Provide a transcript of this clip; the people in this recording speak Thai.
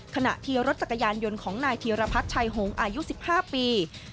ขณะที่รถจักรยานยนต์ของนายธีรพัฒน์ชัยหงษ์อายุ๑๕ปี